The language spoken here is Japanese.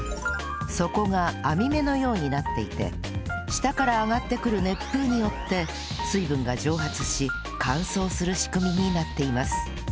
底が網目のようになっていて下から上がってくる熱風によって水分が蒸発し乾燥する仕組みになっています